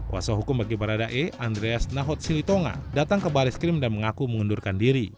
wasuhukum bagi baradae andreas nahot silitonga datang ke bar eskrim dan mengaku mengundurkan diri